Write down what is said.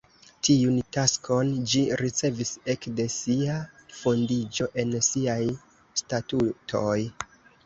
Tiun taskon ĝi ricevis ekde sia fondiĝo en siaj statutoj.